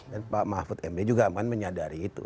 dan pak mahfud md juga kan menyadari itu